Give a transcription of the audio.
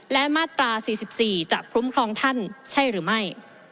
และมาตรา๔๔จะคุ้มครองท่านใช่หรือไม่